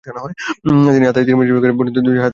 তিনি আত-তিরমিজির বর্ণিত দুইটি হাদিস লিপিবদ্ধ করেছেন।